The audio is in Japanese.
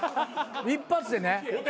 一発でね。